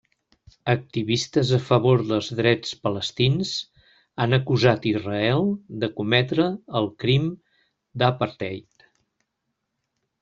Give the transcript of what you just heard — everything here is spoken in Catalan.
Activistes a favor dels drets palestins han acusat Israel de cometre el crim d'apartheid.